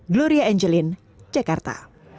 gloria angelin jakarta